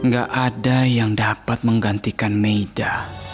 gak ada yang dapat menggantikan meja